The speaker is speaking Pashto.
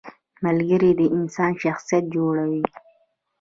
• ملګری د انسان شخصیت جوړوي.